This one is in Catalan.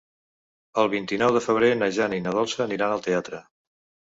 El vint-i-nou de febrer na Jana i na Dolça aniran al teatre.